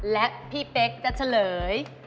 และพี่เป๊กจะเฉลย